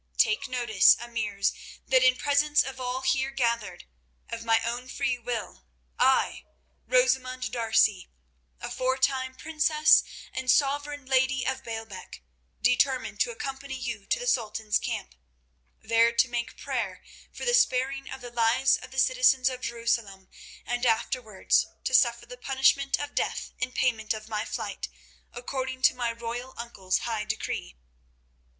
Take notice, Emirs, that in presence of all here gathered, of my own free will I, Rosamund D'Arcy, aforetime princess and sovereign lady of Baalbec, determine to accompany you to the Sultan's camp, there to make prayer for the sparing of the lives of the citizens of Jerusalem, and afterwards to suffer the punishment of death in payment of my flight, according to my royal uncle's high decree.